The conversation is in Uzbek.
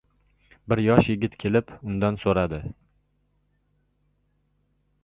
Bir yosh yigit kelib, undan soʻradi: